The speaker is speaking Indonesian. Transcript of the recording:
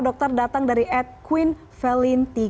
dokter datang dari edquin felin tiga